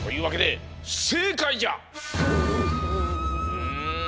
うん！